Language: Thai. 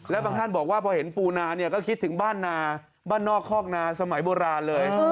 แล้วบางท่านบอกว่าพอเห็นปูนาเนี่ยก็คิดถึงบ้านนาบ้านนอกคอกนาสมัยโบราณเลย